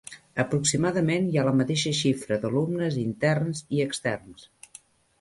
Aproximadament hi ha la mateixa xifra d'alumnes interns i externs.